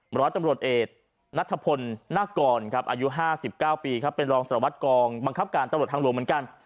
ร้อยตำรวจเอกนัทพลนากรครับอายุ๕๙ปีครับเป็นรองสารวัตรกองบังคับการตำรวจทางหลวงเหมือนกัน